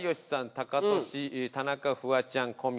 タカトシ田中フワちゃん小宮